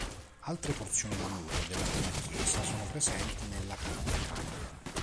Altre porzioni di muro della prima chiesa sono presenti nella canonica.